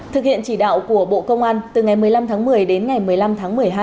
thực hiện chỉ đạo của bộ công an từ ngày một mươi năm tháng một mươi đến ngày một mươi năm tháng một mươi hai